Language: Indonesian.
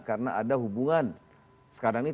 karena ada hubungan sekarang ini